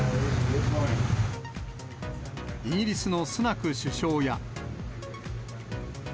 イギリスのスナク首相や。